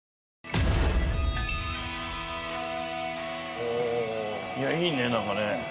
おおいやいいね何かね